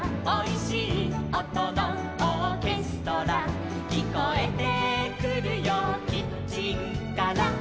「おいしいおとのオーケストラ」「きこえてくるよキッチンから」